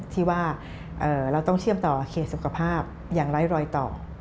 ที่ว่าเราต้องเชื่อมต่อเขตสุขภาพอย่างไร้รอยต่อ